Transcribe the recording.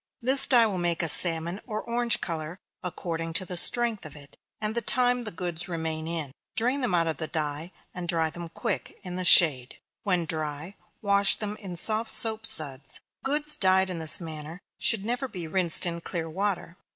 This dye will make a salmon or orange color, according to the strength of it, and the time the goods remain in. Drain them out of the dye, and dry them quick, in the shade when dry, wash them in soft soap suds. Goods dyed in this manner should never be rinsed in clear water.